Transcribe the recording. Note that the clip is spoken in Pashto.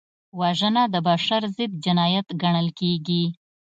وژنه د بشر ضد جنایت ګڼل کېږي